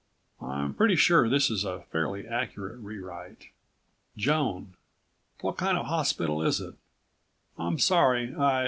I'm pretty sure this is a fairly accurate re write. Joan: What kind of a hospital is it? I'm sorry, I ...